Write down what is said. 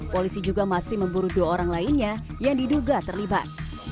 polisi juga masih memburu dua orang lainnya yang diduga terlibat